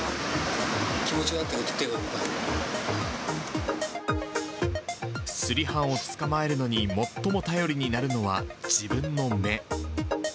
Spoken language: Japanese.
気持ちはあるけど、手が動かすり犯を捕まえるのに最も頼りになるのは、自分の目。